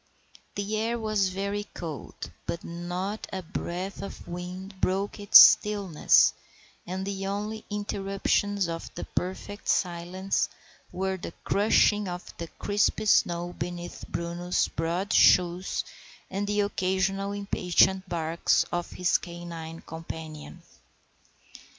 The air was very cold, but not a breath of wind broke its stillness, and the only interruptions of the perfect silence were the crushing of the crisp snow beneath Bruno's broad shoes and the occasional impatient barks of his canine companion.